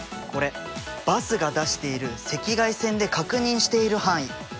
これバスが出している赤外線で確認している範囲。